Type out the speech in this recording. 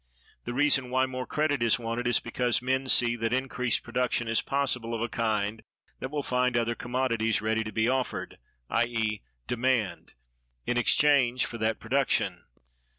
The reason why more credit is wanted is because men see that increased production is possible of a kind that will find other commodities ready to be offered (i.e., demand) in exchange for that production.